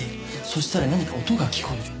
そしたら何か音が聞こえる。